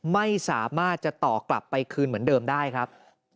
ไม่สามารถจะต่อกลับไปคืนเหมือนเดิมได้ครับ